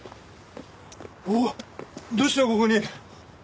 おいどうしてここに？